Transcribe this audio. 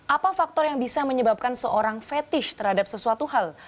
apa faktor yang bisa menyebabkan seorang fetish terhadap sesuatu hal